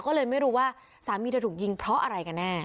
ก็เลยไม่รู้ว่าสามีเธอถูกยิงเพราะอะไรกันแน่